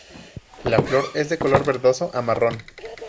La flor es de color verdoso a marrón.